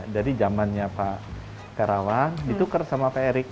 jadi jamannya pak terawan itu kerja sama pak erik